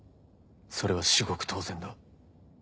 それは至極当然だ。